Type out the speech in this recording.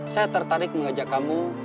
saya tertarik mengajak kamu